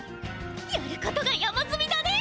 やることが山づみだね！